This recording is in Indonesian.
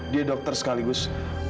dia dokter sekaligus